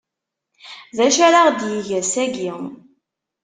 D acu ara ɣ-d-yeg ass-agi?